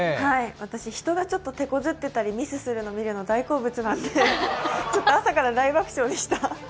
私、人がちょっと手こずってたり、ミスしたりするの大好物なので、ちょっと朝から大爆笑でした。